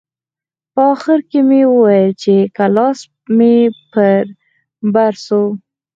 په اخر کښې مې وويل چې که لاس مې پر بر سو.